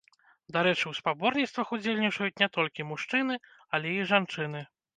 Дарэчы, у спаборніцтвах удзельнічаюць не толькі мужчыны, але і жанчыны.